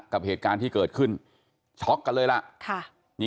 กับเหตุการณ์ที่เกิดขึ้นครับ